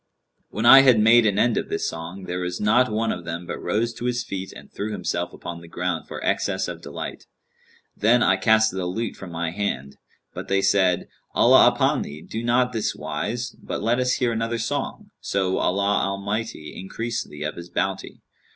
When I had made an end of this song, there was not one of them but rose to his feet and threw himself upon the ground for excess of delight. Then I cast the lute from my hand, but they said, 'Allah upon thee, do not on this wise, but let us hear another song, so Allah Almighty increase thee of His bounty!'